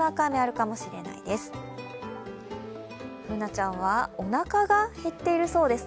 Ｂｏｏｎａちゃんは、おなかが減っているそうです。